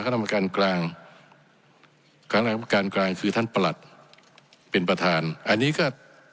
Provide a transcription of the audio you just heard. กรรมการกลางคณะกรรมการกลางคือท่านประหลัดเป็นประธานอันนี้ก็